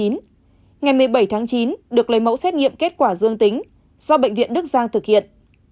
ngày một mươi bảy tháng chín được lấy mẫu xét nghiệm kết quả dương tính do bệnh viện đức giang thực hiện